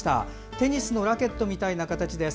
テニスのラケットみたいな形です。